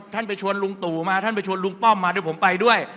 ไปชวนลุงตู่มาท่านไปชวนลุงป้อมมาด้วยผมไปด้วย